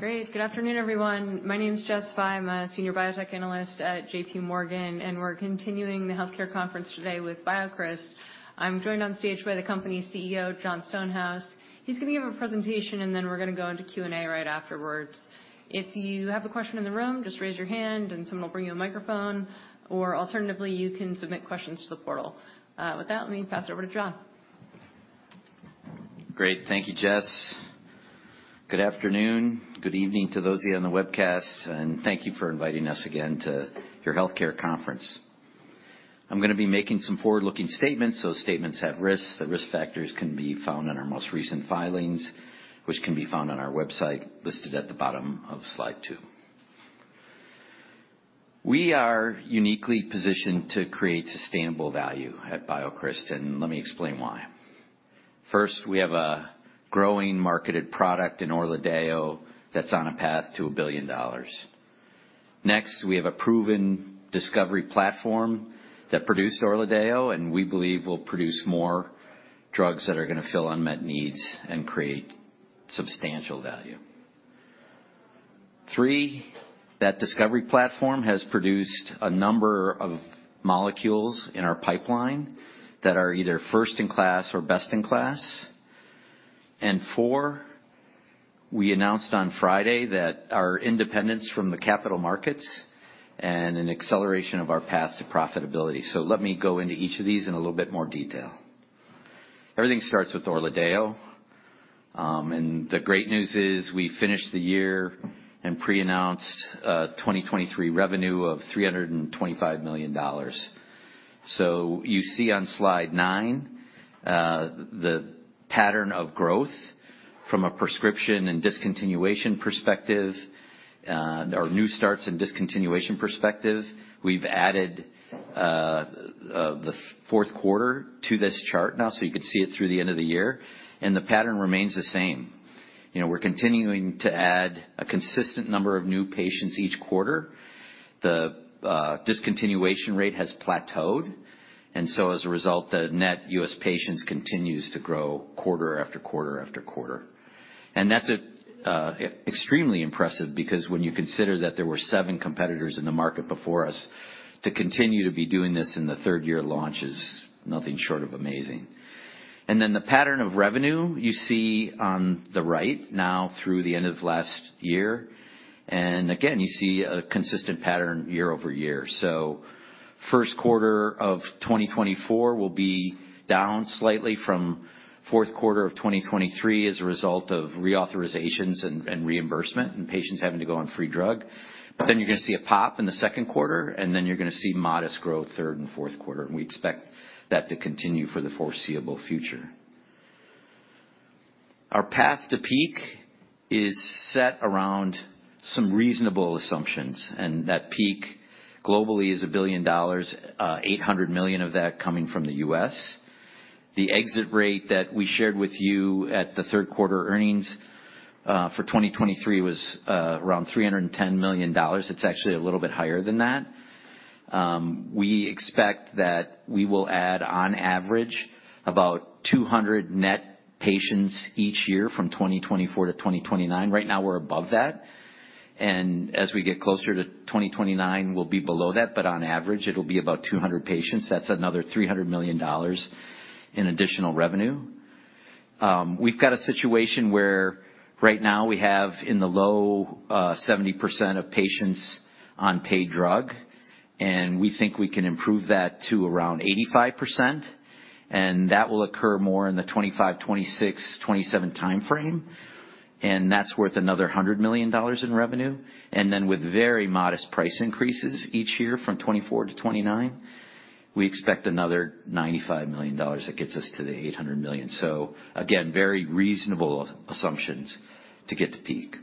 Great. Good afternoon, everyone. My name is Jessica Fye. I'm a senior biotech analyst at JPMorgan, and we're continuing the healthcare conference today with BioCryst. I'm joined on stage by the company's CEO, Jon Stonehouse. He's going to give a presentation, and then we're going to go into Q&A right afterwards. If you have a question in the room, just raise your hand and someone will bring you a microphone, or alternatively, you can submit questions to the portal. With that, let me pass it over to Jon. Great. Thank you, Jess. Good afternoon, good evening to those of you on the webcast, and thank you for inviting us again to your healthcare conference. I'm going to be making some forward-looking statements. Those statements have risks. The risk factors can be found in our most recent filings, which can be found on our website, listed at the bottom of slide two. We are uniquely positioned to create sustainable value at BioCryst, and let me explain why. First, we have a growing marketed product in ORLADEYO that's on a path to $1 billion. Next, we have a proven discovery platform that produced ORLADEYO, and we believe will produce more drugs that are going to fill unmet needs and create substantial value. Three, that discovery platform has produced a number of molecules in our pipeline that are either first in class or best in class. Four, we announced on Friday that our independence from the capital markets and an acceleration of our path to profitability. So let me go into each of these in a little bit more detail. Everything starts with ORLADEYO, and the great news is we finished the year and pre-announced 2023 revenue of $325 million. So you see on slide nine, the pattern of growth from a prescription and discontinuation perspective, or new starts and discontinuation perspective. We've added the fourth quarter to this chart now, so you can see it through the end of the year, and the pattern remains the same. You know, we're continuing to add a consistent number of new patients each quarter. The discontinuation rate has plateaued, and so as a result, the net U.S. patients continues to grow quarter after quarter after quarter. That's extremely impressive because when you consider that there were seven competitors in the market before us, to continue to be doing this in the third year of launch is nothing short of amazing. Then the pattern of revenue you see on the right now through the end of last year, and again, you see a consistent pattern year-over-year. First quarter of 2024 will be down slightly from fourth quarter of 2023 as a result of reauthorizations and reimbursement and patients having to go on free drug. But then you're going to see a pop in the second quarter, and then you're going to see modest growth third and fourth quarter, and we expect that to continue for the foreseeable future. Our path to peak is set around some reasonable assumptions, and that peak globally is $1 billion, $800 million of that coming from the U.S. The exit rate that we shared with you at the third quarter earnings for 2023 was around $310 million. It's actually a little bit higher than that. We expect that we will add, on average, about 200 net patients each year from 2024-2029. Right now, we're above that, and as we get closer to 2029, we'll be below that, but on average, it'll be about 200 patients. That's another $300 million in additional revenue. We've got a situation where right now we have in the low 70% of patients on paid drug, and we think we can improve that to around 85%, and that will occur more in the 2025, 2026, 2027 timeframe, and that's worth another $100 million in revenue. Then with very modest price increases each year from 2024-2029, we expect another $95 million that gets us to the $800 million. Again, very reasonable assumptions to get to peak.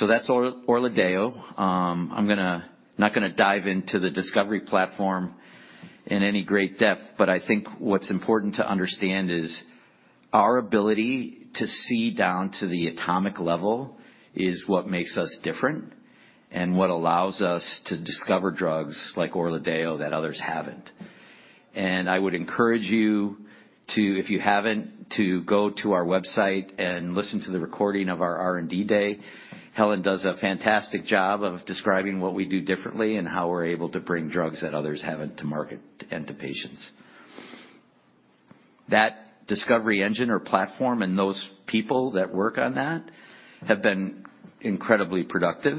That's ORLADEYO. I'm not gonna dive into the discovery platform in any great depth, but I think what's important to understand is our ability to see down to the atomic level is what makes us different, and what allows us to discover drugs like ORLADEYO that others haven't. I would encourage you to, if you haven't, to go to our website and listen to the recording of our R&D day. Helen does a fantastic job of describing what we do differently and how we're able to bring drugs that others haven't to market and to patients. That discovery engine or platform, and those people that work on that, have been incredibly productive.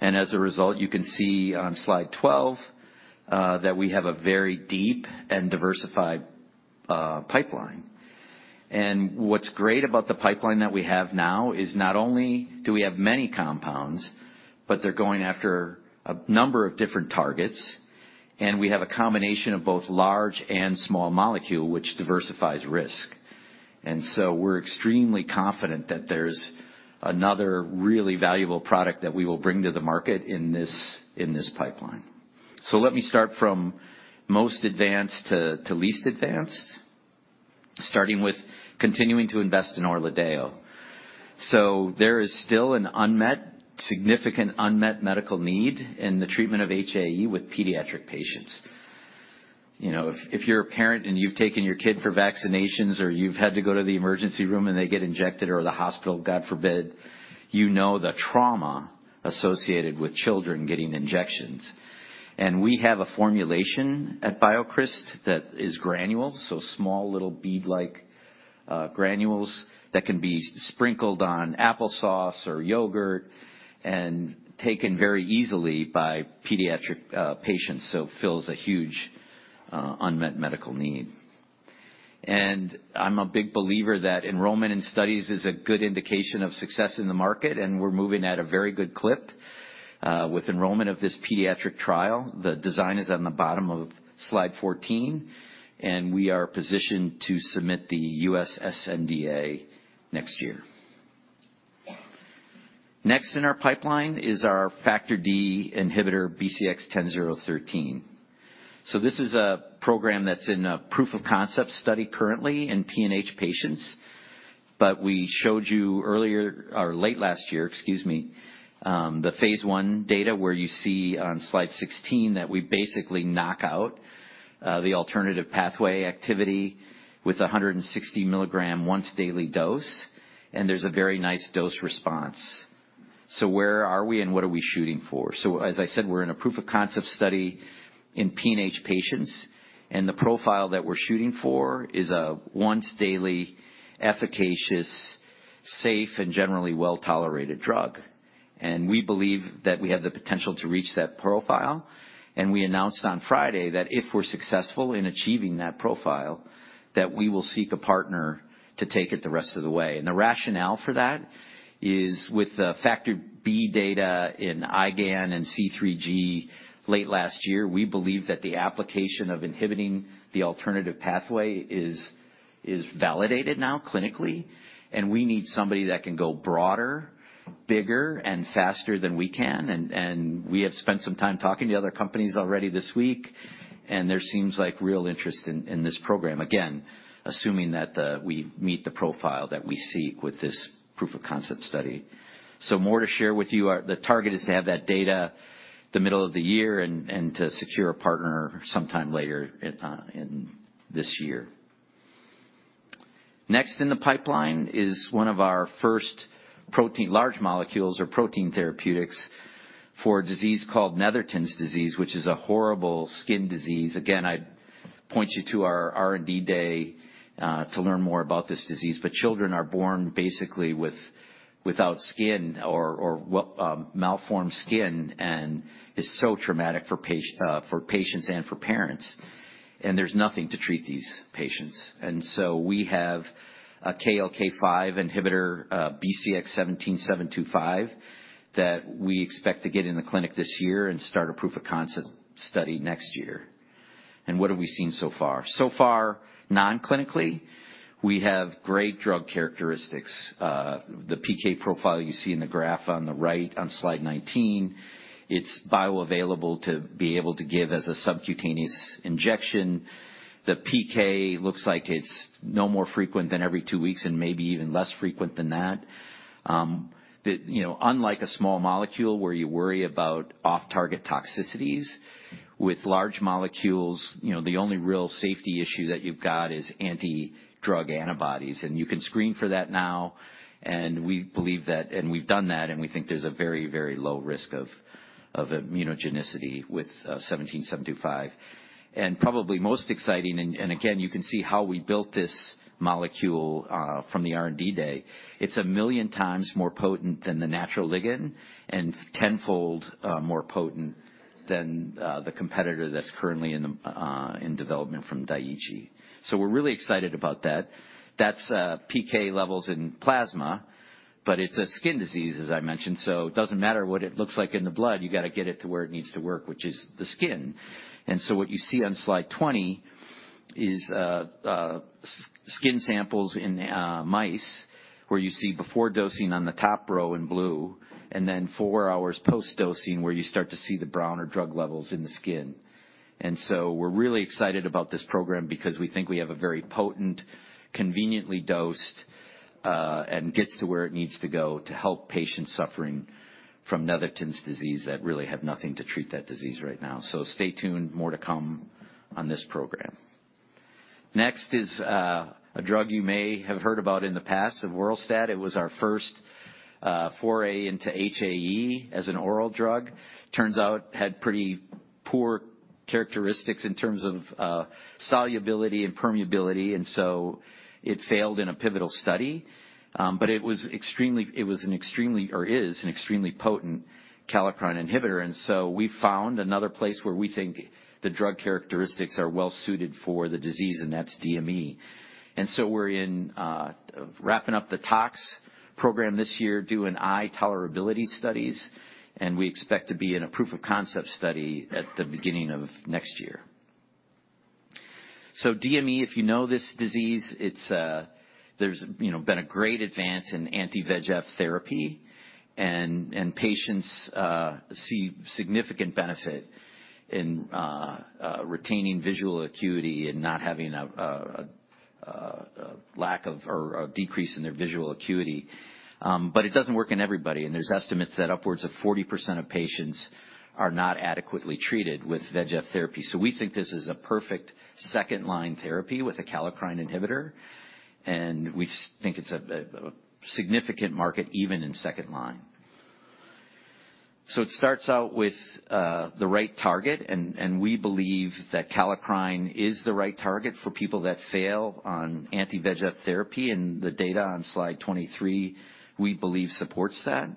As a result, you can see on slide 12 that we have a very deep and diversified pipeline. What's great about the pipeline that we have now is not only do we have many compounds, but they're going after a number of different targets, and we have a combination of both large and small molecule, which diversifies risk. So we're extremely confident that there's another really valuable product that we will bring to the market in this, in this pipeline. So let me start from most advanced to least advanced, starting with continuing to invest in ORLADEYO. So there is still an unmet, significant unmet medical need in the treatment of HAE with pediatric patients. You know, if you're a parent and you've taken your kid for vaccinations or you've had to go to the emergency room and they get injected or the hospital, God forbid, you know the trauma associated with children getting injections. And we have a formulation at BioCryst that is granules, so small, little bead-like granules that can be sprinkled on applesauce or yogurt and taken very easily by pediatric patients. So fills a huge unmet medical need. And I'm a big believer that enrollment in studies is a good indication of success in the market, and we're moving at a very good clip with enrollment of this pediatric trial. The design is on the bottom of slide 14, and we are positioned to submit the U.S. sNDA next year. Next in our pipeline is our Factor D inhibitor, BCX10013. So this is a program that's in a proof-of-concept study currently in PNH patients, but we showed you earlier or late last year, excuse me, the phase I data, where you see on slide 16 that we basically knock out the alternative pathway activity with a 160 mg once daily dose, and there's a very nice dose response. So where are we and what are we shooting for? So, as I said, we're in a proof-of-concept study in PNH patients, and the profile that we're shooting for is a once daily, efficacious, safe, and generally well-tolerated drug. And we believe that we have the potential to reach that profile. And we announced on Friday that if we're successful in achieving that profile, that we will seek a partner to take it the rest of the way. And the rationale for that is with the Factor B data in IgAN and C3G late last year, we believe that the application of inhibiting the alternative pathway is validated now clinically, and we need somebody that can go broader, bigger, and faster than we can. And we have spent some time talking to other companies already this week, and there seems like real interest in this program. Again, assuming that we meet the profile that we seek with this proof-of-concept study. So more to share with you. The target is to have that data the middle of the year and to secure a partner sometime later in this year. Next in the pipeline is one of our first protein, large molecules or protein therapeutics for a disease called Netherton syndrome, which is a horrible skin disease. Again, I'd point you to our R&D Day to learn more about this disease. But children are born basically without skin or well, malformed skin, and it's so traumatic for patients and for parents, and there's nothing to treat these patients. And so we have a KLK5 inhibitor, BCX17725, that we expect to get in the clinic this year and start a proof-of-concept study next year. And what have we seen so far? So far, non-clinically, we have great drug characteristics. The PK profile you see in the graph on the right, on slide 19, it's bioavailable to be able to give as a subcutaneous injection. The PK looks like it's no more frequent than every two weeks and maybe even less frequent than that. The, you know, unlike a small molecule where you worry about off-target toxicities, with large molecules, you know, the only real safety issue that you've got is anti-drug antibodies, and you can screen for that now. And we believe that. And we've done that, and we think there's a very, very low risk of immunogenicity with BCX17725. And probably most exciting, and again, you can see how we built this molecule from the R&D day. It's a million times more potent than the natural ligand and tenfold more potent than the competitor that's currently in development from Daiichi. So we're really excited about that. That's PK levels in plasma, but it's a skin disease, as I mentioned, so it doesn't matter what it looks like in the blood. You gotta get it to where it needs to work, which is the skin. And so what you see on slide 20 is skin samples in mice, where you see before dosing on the top row in blue, and then 4 hours post-dosing, where you start to see the browner drug levels in the skin. And so we're really excited about this program because we think we have a very potent, conveniently dosed, and gets to where it needs to go to help patients suffering from Netherton syndrome that really have nothing to treat that disease right now. So stay tuned. More to come on this program. Next is a drug you may have heard about in the past, avoralstat. It was our first foray into HAE as an oral drug. Turns out, had pretty poor characteristics in terms of solubility and permeability, and so it failed in a pivotal study. But it was extremely, it was an extremely, or is an extremely potent kallikrein inhibitor, and so we found another place where we think the drug characteristics are well suited for the disease, and that's DME. And so we're wrapping up the tox program this year, do an eye tolerability studies, and we expect to be in a proof-of-concept study at the beginning of next year. So DME, if you know this disease, it's... There's, you know, been a great advance in anti-VEGF therapy and patients see significant benefit in retaining visual acuity and not having a lack of or a decrease in their visual acuity. But it doesn't work in everybody, and there's estimates that upwards of 40% of patients are not adequately treated with VEGF therapy. So we think this is a perfect second-line therapy with a kallikrein inhibitor, and we think it's a significant market, even in second line. So it starts out with the right target, and we believe that kallikrein is the right target for people that fail on anti-VEGF therapy, and the data on slide 23, we believe, supports that.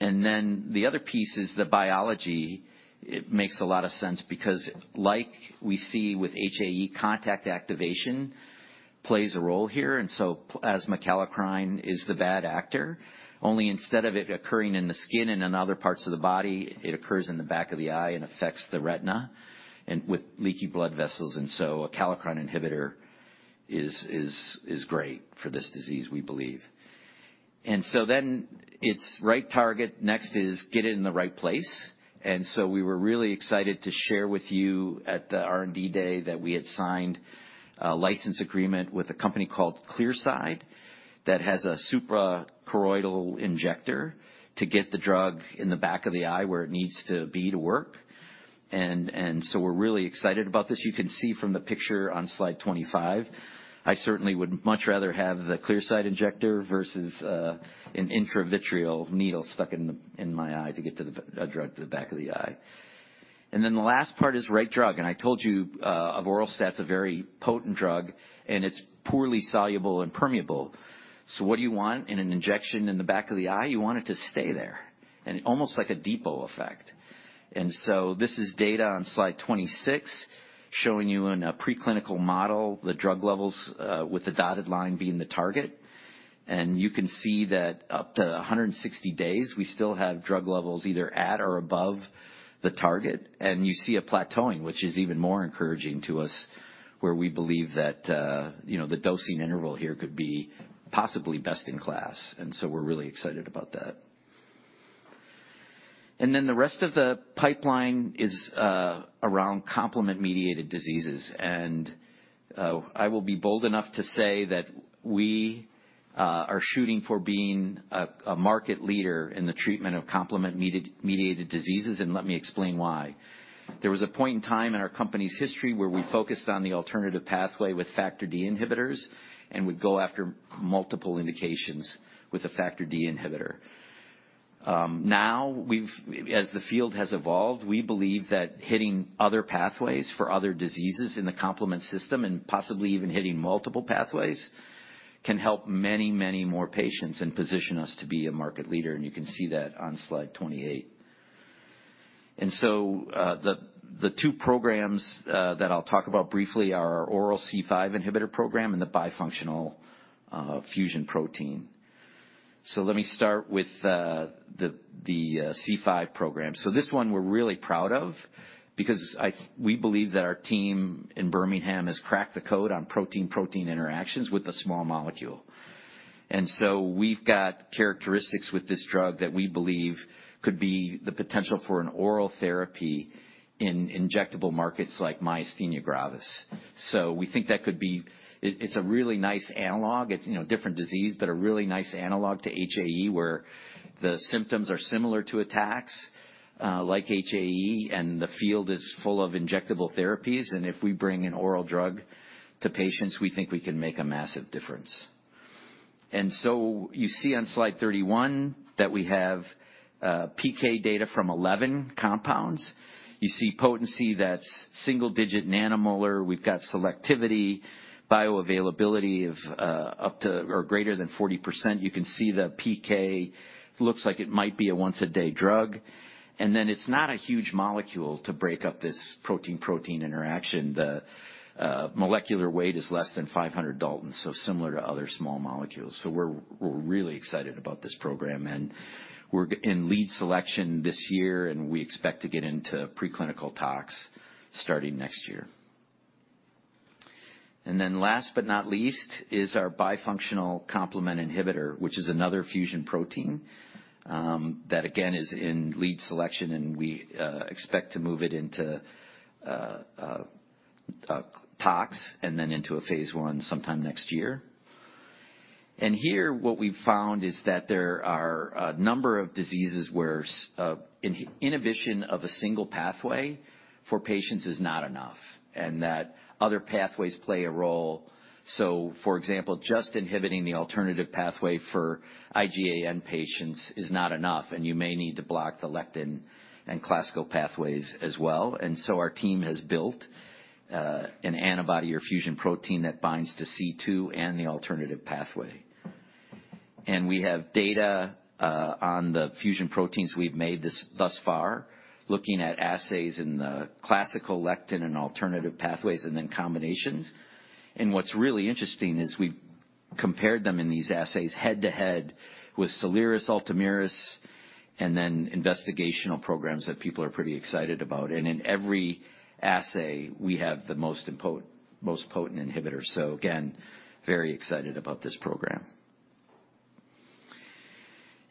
And then the other piece is the biology. It makes a lot of sense because like we see with HAE, contact activation plays a role here. And so plasma kallikrein is the bad actor, only instead of it occurring in the skin and in other parts of the body, it occurs in the back of the eye and affects the retina and with leaky blood vessels, and so a kallikrein inhibitor is great for this disease, we believe. And so then it's right target. Next is get it in the right place. And so we were really excited to share with you at the R&D Day that we had signed a license agreement with a company called Clearside, that has a suprachoroidal injector to get the drug in the back of the eye, where it needs to be to work. And so we're really excited about this. You can see from the picture on slide 25. I certainly would much rather have the Clearside injector versus, an intravitreal needle stuck in my eye to get to the drug to the back of the eye. Then the last part is right drug, and I told you, avoralstat's a very potent drug, and it's poorly soluble and permeable. So what do you want in an injection in the back of the eye? You want it to stay there, and almost like a depot effect. So this is data on slide 26, showing you in a preclinical model, the drug levels, with the dotted line being the target. And you can see that up to 160 days, we still have drug levels either at or above the target. You see a plateauing, which is even more encouraging to us, where we believe that, you know, the dosing interval here could be possibly best in class. And so we're really excited about that. And then the rest of the pipeline is, around complement-mediated diseases. And, I will be bold enough to say that we, are shooting for being a, a market leader in the treatment of complement-mediated diseases, and let me explain why. There was a point in time in our company's history where we focused on the alternative pathway with Factor D inhibitors, and would go after multiple indications with a Factor D inhibitor. Now, as the field has evolved, we believe that hitting other pathways for other diseases in the complement system and possibly even hitting multiple pathways can help many, many more patients and position us to be a market leader, and you can see that on slide 28. The two programs that I'll talk about briefly are our oral C5 inhibitor program and the bifunctional fusion protein. Let me start with the C5 program. This one we're really proud of because we believe that our team in Birmingham has cracked the code on protein-protein interactions with a small molecule. We've got characteristics with this drug that we believe could be the potential for an oral therapy in injectable markets like myasthenia gravis. We think that could be... it's a really nice analog. It's, you know, different disease, but a really nice analog to HAE, where the symptoms are similar to attacks, like HAE, and the field is full of injectable therapies. And if we bring an oral drug to patients, we think we can make a massive difference. And so you see on Slide 31 that we have, PK data from 11 compounds. You see potency that's single-digit nanomolar. We've got selectivity, bioavailability of, up to or greater than 40%. You can see the PK looks like it might be a once-a-day drug. And then it's not a huge molecule to break up this protein-protein interaction. The, molecular weight is less than 500 daltons, so similar to other small molecules. So we're really excited about this program, and we're in lead selection this year, and we expect to get into preclinical tox starting next year. And then last but not least is our bifunctional complement inhibitor, which is another fusion protein that again is in lead selection and we expect to move it into tox and then into a phase I sometime next year. And here, what we've found is that there are a number of diseases where inhibition of a single pathway for patients is not enough, and that other pathways play a role. So for example, just inhibiting the alternative pathway for IgAN patients is not enough, and you may need to block the lectin and classical pathways as well. And so our team has built an antibody or fusion protein that binds to C2 and the alternative pathway. And we have data on the fusion proteins we've made thus far, looking at assays in the classical, lectin, and alternative pathways, and then combinations. And what's really interesting is we've compared them in these assays head-to-head with Soliris, Ultomiris, and then investigational programs that people are pretty excited about. And in every assay, we have the most potent inhibitor. So again, very excited about this program.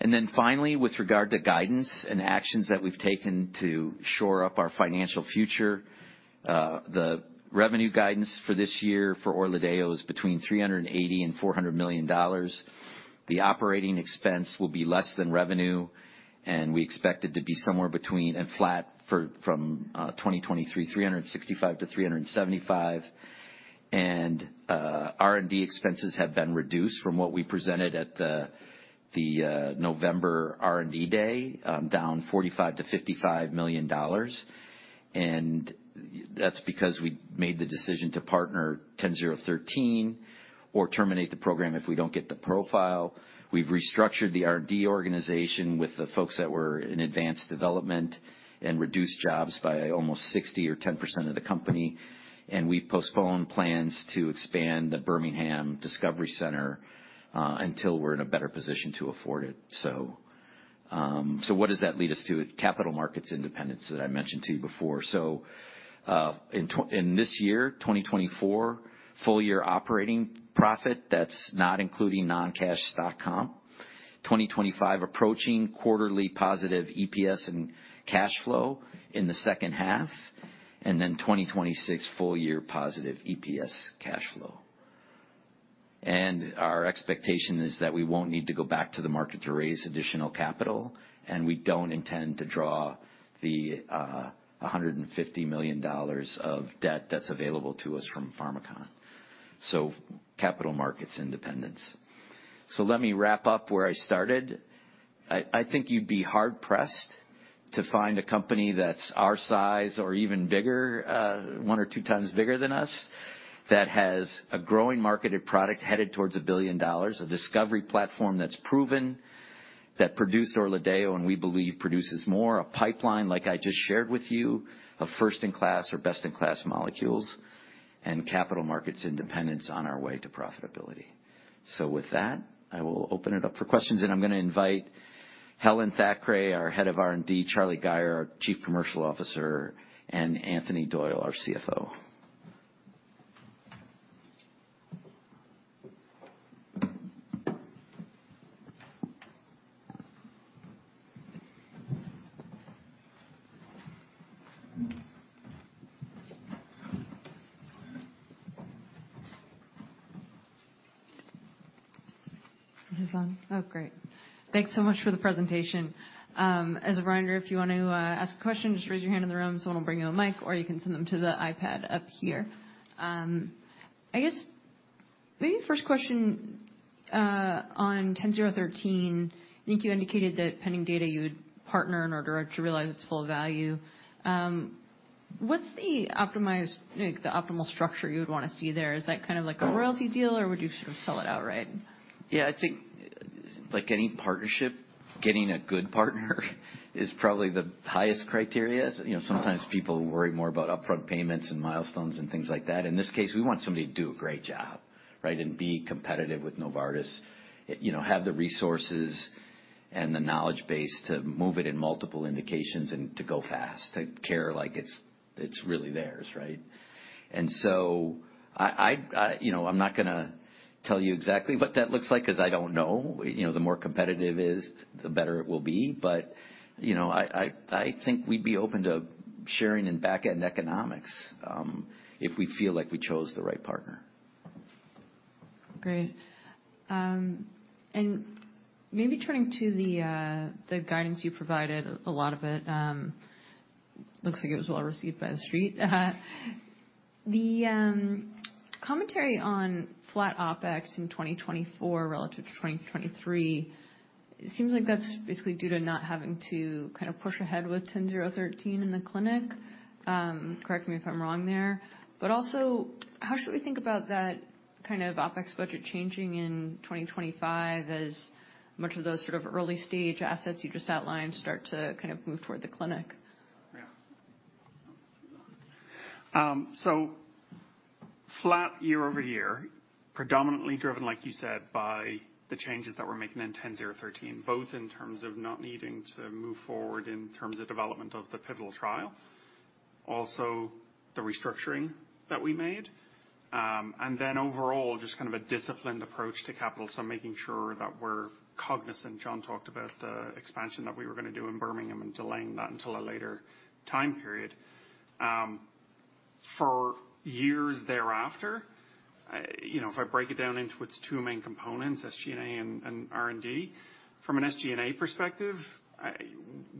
And then finally, with regard to guidance and actions that we've taken to shore up our financial future, the revenue guidance for this year for ORLADEYO is between $380 million and $400 million. The operating expense will be less than revenue, and we expect it to be somewhere between and flat from 2023, $365 million-$375 million. R&D expenses have been reduced from what we presented at the November R&D day, down $45 million-$55 million. And that's because we made the decision to partner 10013 or terminate the program if we don't get the profile. We've restructured the R&D organization with the folks that were in advanced development and reduced jobs by almost 60 or 10% of the company, and we've postponed plans to expand the Birmingham Discovery Center until we're in a better position to afford it. What does that lead us to? Capital markets independence that I mentioned to you before. So, in this year, 2024, full year operating profit, that's not including non-cash stock comp. 2025, approaching quarterly positive EPS and cash flow in the second half, and then 2026, full year positive EPS cash flow. And our expectation is that we won't need to go back to the market to raise additional capital, and we don't intend to draw the $150 million of debt that's available to us from Pharmakon. So capital markets independence. So let me wrap up where I started. I think you'd be hard-pressed to find a company that's our size or even bigger, one or two times bigger than us, that has a growing marketed product headed towards $1 billion, a discovery platform that's proven, that produced ORLADEYO, and we believe produces more, a pipeline like I just shared with you, of first-in-class or best-in-class molecules and capital markets independence on our way to profitability. So with that, I will open it up for questions, and I'm gonna invite Helen Thackray, our head of R&D, Charlie Gayer, our Chief Commercial Officer, and Anthony Doyle, our CFO. Is this on? Oh, great. Thanks so much for the presentation. As a reminder, if you want to ask a question, just raise your hand in the room, someone will bring you a mic, or you can send them to the iPad up here. I guess maybe the first question on 10013, I think you indicated that pending data you would partner in order to realize its full value. What's the optimized, like, the optimal structure you would want to see there? Is that kind of like a royalty deal, or would you sort of sell it outright? Yeah, I think like any partnership, getting a good partner is probably the highest criteria. You know, sometimes people worry more about upfront payments and milestones and things like that. In this case, we want somebody to do a great job, right? And be competitive with Novartis. You know, have the resources and the knowledge base to move it in multiple indications and to go fast, to care like it's really theirs, right? And so I, you know, I'm not gonna tell you exactly what that looks like, as I don't know. You know, the more competitive it is, the better it will be. But, you know, I think we'd be open to sharing in back-end economics, if we feel like we chose the right partner. Great. Maybe turning to the guidance you provided, a lot of it looks like it was well received by the Street. The commentary on flat OpEx in 2024 relative to 2023, it seems like that's basically due to not having to kind of push ahead with BCX10013 in the clinic. Correct me if I'm wrong there, but also, how should we think about that kind of OpEx budget changing in 2025 as much of those sort of early-stage assets you just outlined start to kind of move toward the clinic? Yeah. So flat year-over-year, predominantly driven, like you said, by the changes that we're making in 10013, both in terms of not needing to move forward in terms of development of the pivotal trial, also the restructuring that we made. And then overall, just kind of a disciplined approach to capital. So making sure that we're cognizant. Jon talked about the expansion that we were going to do in Birmingham and delaying that until a later time period. For years thereafter, you know, if I break it down into its two main components, SG&A and R&D. From an SG&A perspective, I...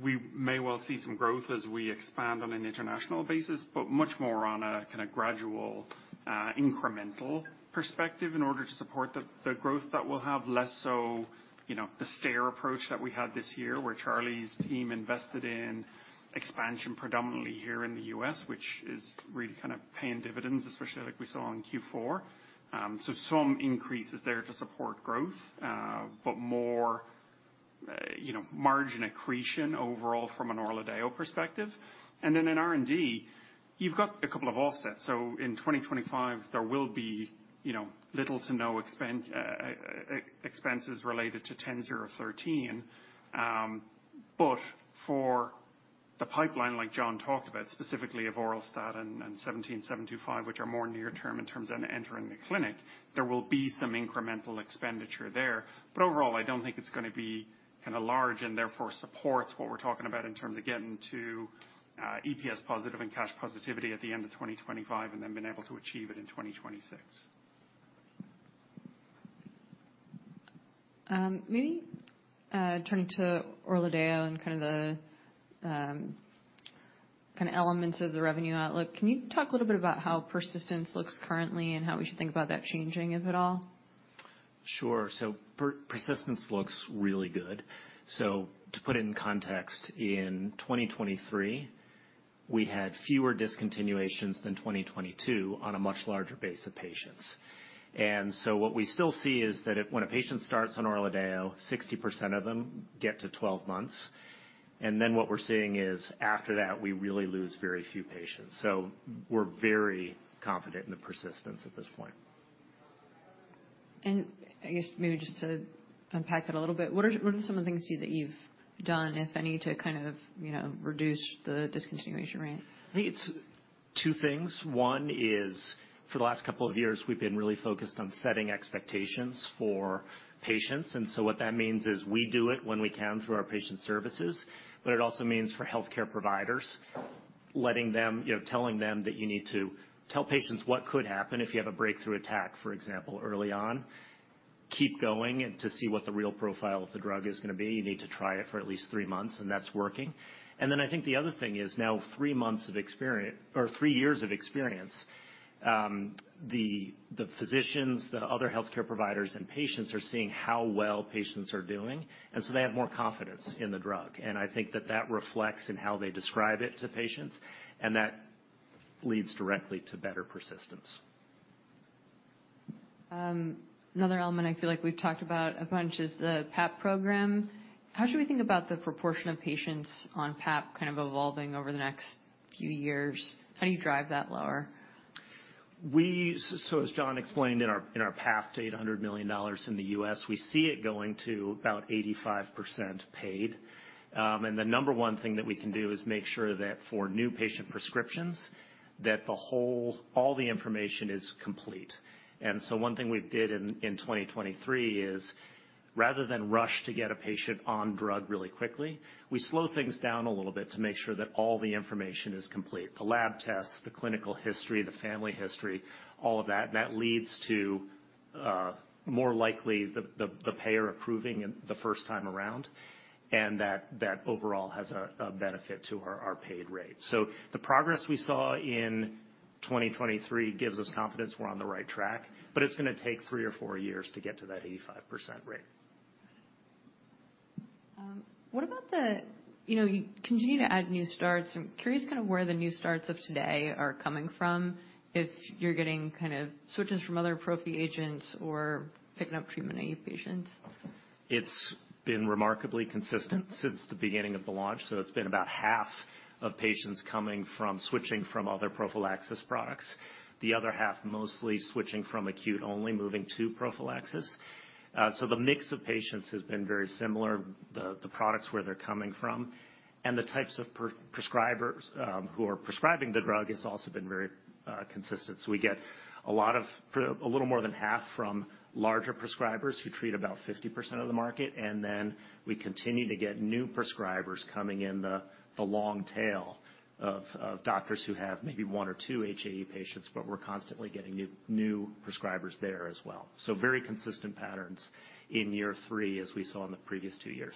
We may well see some growth as we expand on an international basis, but much more on a kind of gradual, incremental perspective in order to support the growth that we'll have, less so, you know, the stair approach that we had this year, where Charlie's team invested in expansion predominantly here in the U.S., which is really kind of paying dividends, especially like we saw in Q4. So some increases there to support growth, but more, you know, margin accretion overall from an ORLADEYO perspective. And then in R&D, you've got a couple of offsets. So in 2025, there will be, you know, little to no expenses related to 10013. But for- ... the pipeline, like John talked about, specifically of avoralstat and, and BCX17725, which are more near-term in terms of entering the clinic, there will be some incremental expenditure there. But overall, I don't think it's gonna be kinda large, and therefore, supports what we're talking about in terms of getting to EPS positive and cash positivity at the end of 2025, and then being able to achieve it in 2026. Maybe, turning to ORLADEYO and kind of the kind of elements of the revenue outlook. Can you talk a little bit about how persistence looks currently and how we should think about that changing, if at all? Sure. So persistence looks really good. So to put it in context, in 2023, we had fewer discontinuations than 2022 on a much larger base of patients. And so what we still see is that when a patient starts on ORLADEYO, 60% of them get to 12 months, and then what we're seeing is, after that, we really lose very few patients. So we're very confident in the persistence at this point. I guess maybe just to unpack that a little bit, what are, what are some of the things, too, that you've done, if any, to kind of, you know, reduce the discontinuation rate? I think it's two things. One is, for the last couple of years, we've been really focused on setting expectations for patients, and so what that means is we do it when we can through our patient services, but it also means for healthcare providers, letting them... You know, telling them that you need to tell patients what could happen if you have a breakthrough attack, for example, early on. Keep going to see what the real profile of the drug is gonna be. You need to try it for at least three months, and that's working. And then I think the other thing is, now three months of experience or three years of experience, the physicians, the other healthcare providers, and patients are seeing how well patients are doing, and so they have more confidence in the drug. I think that that reflects in how they describe it to patients, and that leads directly to better persistence. Another element I feel like we've talked about a bunch is the PAP program. How should we think about the proportion of patients on PAP kind of evolving over the next few years? How do you drive that lower? So as Jon explained in our path to $800 million in the U.S., we see it going to about 85% paid. And the number one thing that we can do is make sure that for new patient prescriptions, that all the information is complete. And so one thing we did in 2023 is, rather than rush to get a patient on drug really quickly, we slow things down a little bit to make sure that all the information is complete, the lab tests, the clinical history, the family history, all of that. That leads to more likely the payer approving it the first time around, and that overall has a benefit to our paid rate. The progress we saw in 2023 gives us confidence we're on the right track, but it's gonna take three or four years to get to that 85% rate. What about the...? You know, you continue to add new starts. I'm curious kind of where the new starts of today are coming from, if you're getting kind of switches from other prophy agents or picking up treatment-naïve patients. It's been remarkably consistent since the beginning of the launch, so it's been about half of patients coming from switching from other prophylaxis products. The other half mostly switching from acute-only moving to prophylaxis. So the mix of patients has been very similar. The products where they're coming from and the types of prescribers who are prescribing the drug has also been very consistent. So we get a lot of a little more than half from larger prescribers who treat about 50% of the market, and then we continue to get new prescribers coming in the long tail of doctors who have maybe one or two HAE patients, but we're constantly getting new prescribers there as well. So very consistent patterns in year three, as we saw in the previous two years.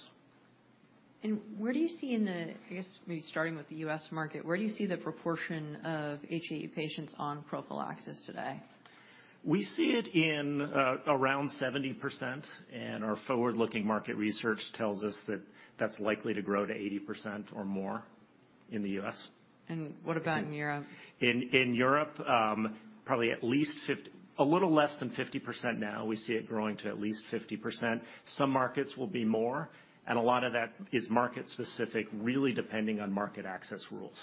Where do you see in the... I guess, maybe starting with the U.S. market, where do you see the proportion of HAE patients on prophylaxis today? We see it in around 70%, and our forward-looking market research tells us that that's likely to grow to 80% or more in the U.S. What about in Europe? In Europe, probably at least 50%. A little less than 50% now. We see it growing to at least 50%. Some markets will be more, and a lot of that is market-specific, really depending on market access rules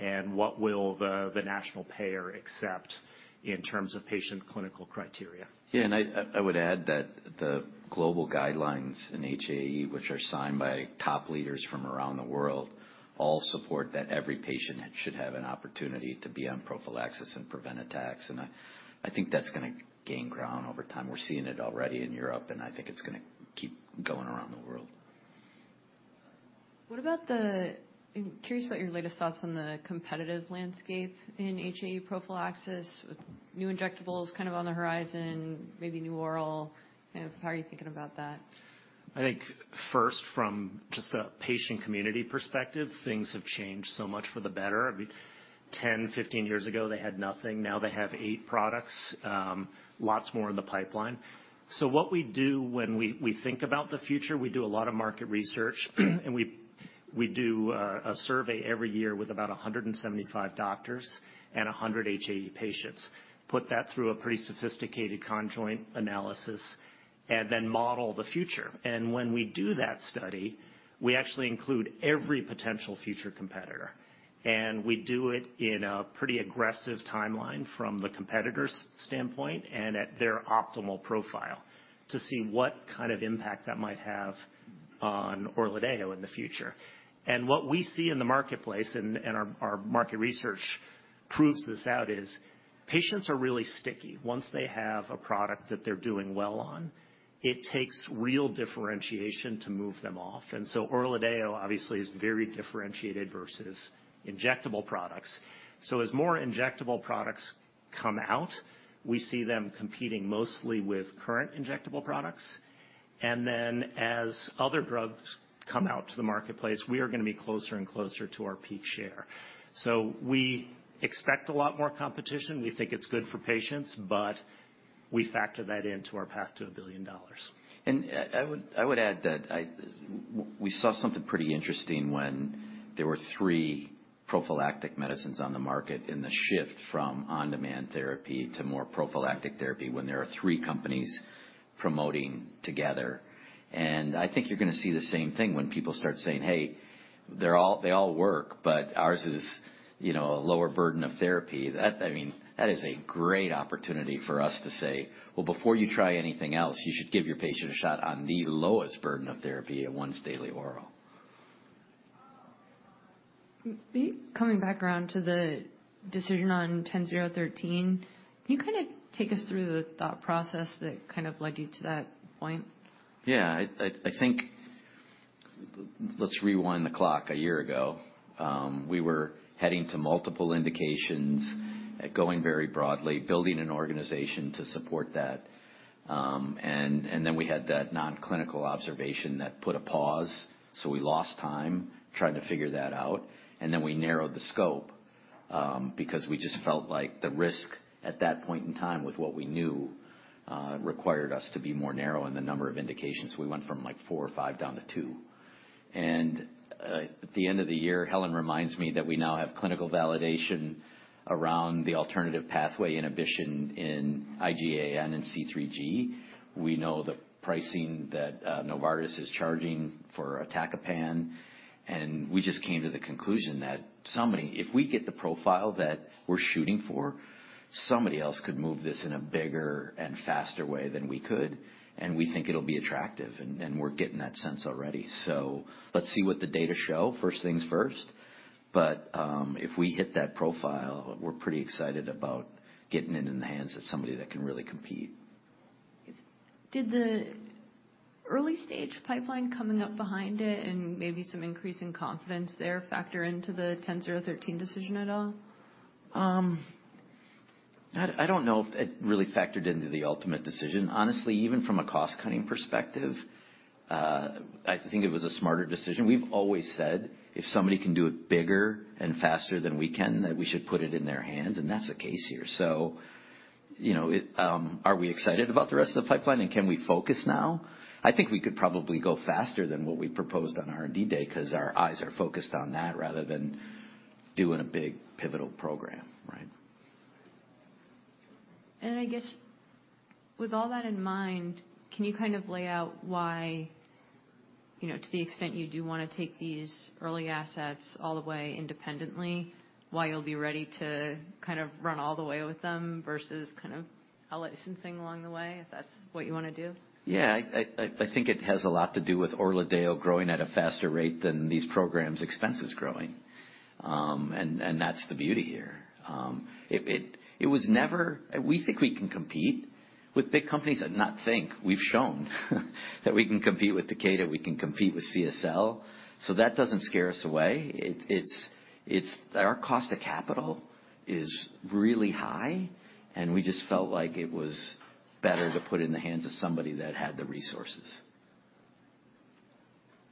and what will the national payer accept in terms of patient clinical criteria. Yeah, and I would add that the global guidelines in HAE, which are signed by top leaders from around the world, all support that every patient should have an opportunity to be on prophylaxis and prevent attacks, and I think that's gonna gain ground over time. We're seeing it already in Europe, and I think it's gonna keep going around the world. What about... I'm curious about your latest thoughts on the competitive landscape in HAE prophylaxis, with new injectables kind of on the horizon, maybe new oral. How are you thinking about that? I think first, from just a patient community perspective, things have changed so much for the better. I mean, 10, 15 years ago, they had nothing. Now they have eight products, lots more in the pipeline. So what we do when we think about the future, we do a lot of market research, and we do a survey every year with about 175 doctors and 100 HAE patients. Put that through a pretty sophisticated conjoint analysis and then model the future. And when we do that study, we actually include every potential future competitor. And we do it in a pretty aggressive timeline from the competitor's standpoint and at their optimal profile, to see what kind of impact that might have on ORLADEYO in the future. What we see in the marketplace, and our market research proves this out, is patients are really sticky. Once they have a product that they're doing well on, it takes real differentiation to move them off. So ORLADEYO, obviously, is very differentiated versus injectable products. As more injectable products come out, we see them competing mostly with current injectable products. And then, as other drugs come out to the marketplace, we are gonna be closer and closer to our peak share. We expect a lot more competition. We think it's good for patients, but we factor that into our path to $1 billion. I would add that we saw something pretty interesting when there were three prophylactic medicines on the market in the shift from on-demand therapy to more prophylactic therapy, when there are three companies promoting together. I think you're gonna see the same thing when people start saying: "Hey, they all work, but ours is, you know, a lower burden of therapy." That, I mean, that is a great opportunity for us to say, "Well, before you try anything else, you should give your patient a shot on the lowest burden of therapy at once-daily oral. Coming back around to the decision on 10013, can you kind of take us through the thought process that kind of led you to that point? Yeah. I think... Let's rewind the clock. A year ago, we were heading to multiple indications and going very broadly, building an organization to support that. And then we had that nonclinical observation that put a pause, so we lost time trying to figure that out. And then we narrowed the scope, because we just felt like the risk at that point in time, with what we knew, required us to be more narrow in the number of indications. We went from, like, four or five down to two. And, at the end of the year, Helen reminds me that we now have clinical validation around the alternative pathway inhibition in IgAN and C3G. We know the pricing that Novartis is charging for atacopan, and we just came to the conclusion that somebody, if we get the profile that we're shooting for, somebody else could move this in a bigger and faster way than we could, and we think it'll be attractive, and we're getting that sense already. So let's see what the data show, first things first, but if we hit that profile, we're pretty excited about getting it in the hands of somebody that can really compete. Did the early-stage pipeline coming up behind it and maybe some increase in confidence there factor into the 10013 decision at all? I don't know if it really factored into the ultimate decision. Honestly, even from a cost-cutting perspective, I think it was a smarter decision. We've always said, if somebody can do it bigger and faster than we can, that we should put it in their hands, and that's the case here. So, you know, it... Are we excited about the rest of the pipeline, and can we focus now? I think we could probably go faster than what we proposed on R&D Day 'cause our eyes are focused on that rather than doing a big pivotal program, right? I guess, with all that in mind, can you kind of lay out why, you know, to the extent you do want to take these early assets all the way independently, why you'll be ready to kind of run all the way with them versus kind of a licensing along the way, if that's what you want to do? Yeah. I think it has a lot to do with ORLADEYO growing at a faster rate than these programs' expenses growing. And that's the beauty here. It was never-- We think we can compete with big companies, and not think. We've shown that we can compete with Takeda, we can compete with CSL, so that doesn't scare us away. It's-- Our cost of capital is really high, and we just felt like it was better to put it in the hands of somebody that had the resources.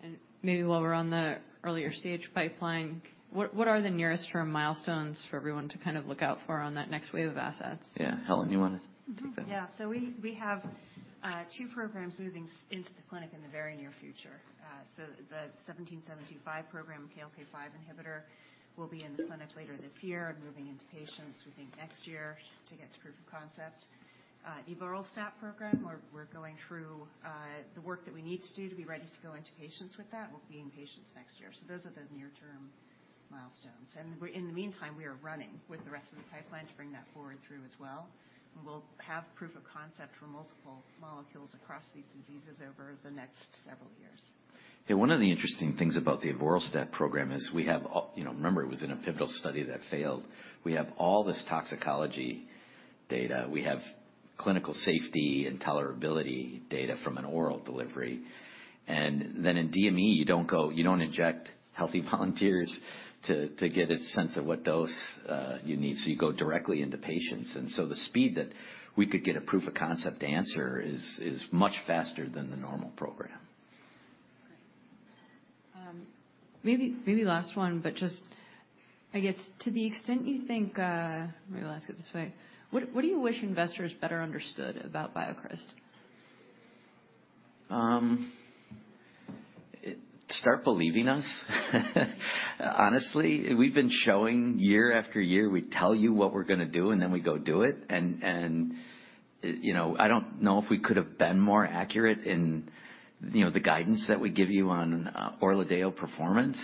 And maybe while we're on the earlier stage pipeline, what, what are the nearest term milestones for everyone to kind of look out for on that next wave of assets? Yeah. Helen, you want to take that? Yeah. So we, we have two programs moving into the clinic in the very near future. So the 1775 program, KLK5 inhibitor, will be in the clinic later this year and moving into patients, we think next year, to get to proof of concept. The avoralstat program, we're, we're going through the work that we need to do to be ready to go into patients with that. We'll be in patients next year. So those are the near-term milestones. And in the meantime, we are running with the rest of the pipeline to bring that forward through as well, and we'll have proof of concept for multiple molecules across these diseases over the next several years. One of the interesting things about the avoralstat program is we have all... You know, remember, it was in a pivotal study that failed. We have all this toxicology data. We have clinical safety and tolerability data from an oral delivery. And then, in DME, you don't go, you don't inject healthy volunteers to get a sense of what dose you need, so you go directly into patients. And so the speed that we could get a proof of concept answer is much faster than the normal program. Maybe, maybe last one, but just, I guess, to the extent you think. Let me ask it this way: What, what do you wish investors better understood about BioCryst? Start believing us. Honestly, we've been showing year after year, we tell you what we're gonna do, and then we go do it. And you know, I don't know if we could have been more accurate in the guidance that we give you on ORLADEYO performance.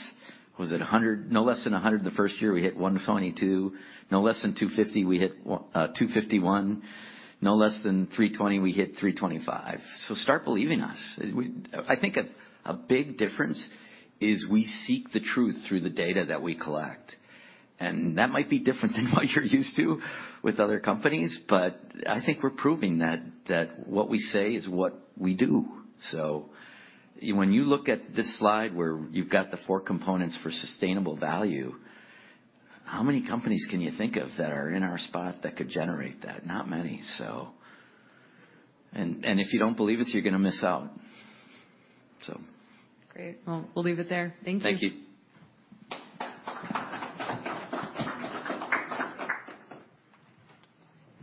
Was it $100? No less than $100 the first year. We hit $122. No less than $250, we hit $251. No less than $320, we hit $325. So start believing us. I think a big difference is we seek the truth through the data that we collect, and that might be different than what you're used to with other companies, but I think we're proving that what we say is what we do. So when you look at this slide, where you've got the four components for sustainable value, how many companies can you think of that are in our spot that could generate that? Not many, so... And if you don't believe us, you're gonna miss out, so. Great. Well, we'll leave it there. Thank you. Thank you.